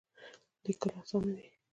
لیکل اسانه دی.